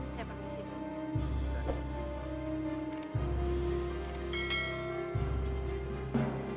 saya permisi pak